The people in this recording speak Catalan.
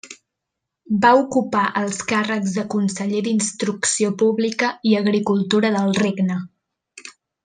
Va ocupar els càrrecs de Conseller d'Instrucció Pública i Agricultura del Regne.